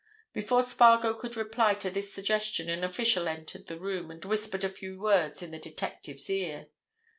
Before Spargo could reply to this suggestion an official entered the room and whispered a few words in the detective's ear.